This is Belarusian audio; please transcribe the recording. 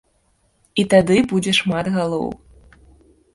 І тады будзе шмат галоў.